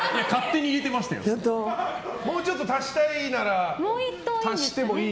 もうちょっと足したいなら足してもいい。